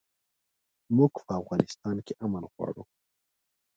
موږ په افغانستان کښې امن غواړو